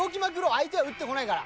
相手は撃ってこないから。